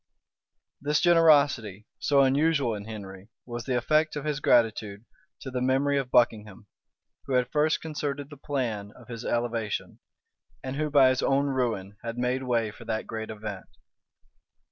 This generosity, so unusual in Henry, was the effect of his gratitude to the memory of Buckingham, who had first concerted the plan of his elevation, and who by his own ruin had made way for that great event.